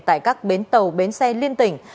tại các bến tàu bến xe liên tỉnh